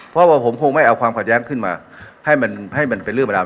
เพราะว่าผมคงไม่เอาความขัดแย้งขึ้นมาให้มันให้มันเป็นเรื่องเวลา